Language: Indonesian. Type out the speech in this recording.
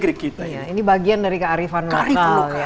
ini bagian dari kearifan lokal